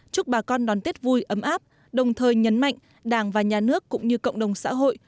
chúc bà con đón tết vui ấm áp đồng thời nhấn mạnh đảng và nhà nước cũng như cộng đồng xã hội